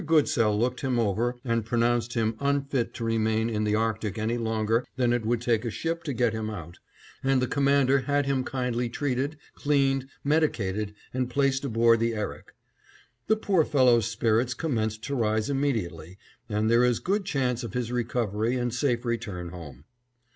Goodsell looked him over and pronounced him unfit to remain in the Arctic any longer than it would take a ship to get him out, and the Commander had him kindly treated, cleaned, medicated, and placed aboard the Erik. The poor fellow's spirits commenced to rise immediately and there is good chance of his recovery and safe return home.